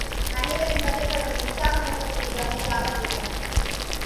அனைவரின் பதில்களும் உற்சாக மூட்டக் கூடிய வகைகளாக இருந்தன.